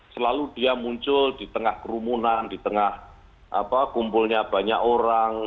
selalu dia muncul di tengah kerumunan di tengah kumpulnya banyak orang